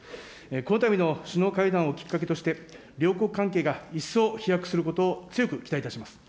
このたびの首脳会談をきっかけとして、両国関係が一層飛躍することを強く期待いたします。